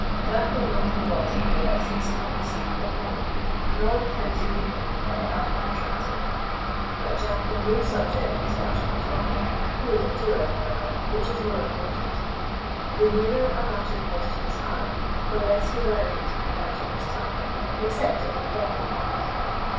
Jack had not forgotten the lessons he had received at home, nor the counsel given him by Admiral Triton. But Jack on no subject was much of a talker; he was a doer, however, which is more important. The nearer a matter was to his heart, the less he allowed it to come out on his tongue, except at the proper moment.